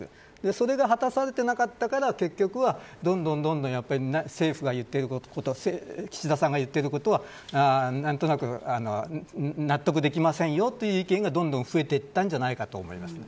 それが果たされてなかったらから結局は、どんどんどんどん政府が言ってること岸田さんが言ってることは何となく納得できませんよという意見がどんどん増えていったんじゃないかと思います。